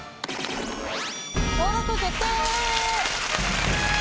登録決定！